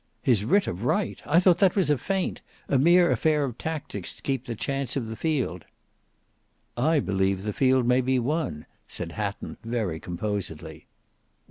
"His writ of right! I thought that was a feint—a mere affair of tactics to keep the chance of the field." "I believe the field may be won," said Hatton very composedly.